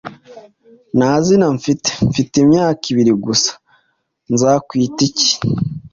Nta zina mfite; Mfite imyaka ibiri gusa. ' Nzakwita iki?